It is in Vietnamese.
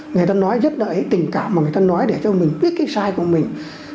người ta nói rất đợi tình cảm mà người ta nói để cho mình biết cái sai của mình